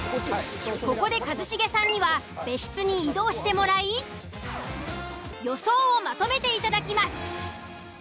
ここで一茂さんには別室に移動してもらい予想をまとめていただきます。